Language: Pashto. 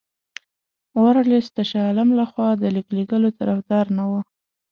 ورلسټ د شاه عالم له خوا د لیک لېږلو طرفدار نه وو.